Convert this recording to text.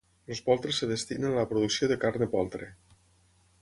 Els poltres es destinen a la producció de carn de poltre.